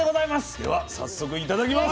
では早速いただきます。